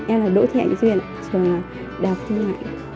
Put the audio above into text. em là đỗ thị hạnh duyên trường đại học thông nghệ